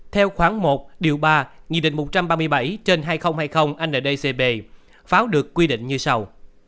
theo khoảng một ba hai trăm ba mươi bảy trên hai nghìn hai mươi ndcp pháo được quy định như sau